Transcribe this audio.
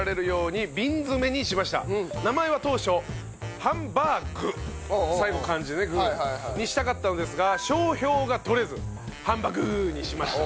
名前は当初「ハンバー具」最後漢字でね「具」にしたかったのですが商標が取れず「ハンバ具ー」にしました。